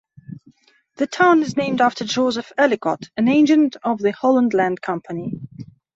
The town is named after Joseph Ellicott, an agent of the Holland Land Company.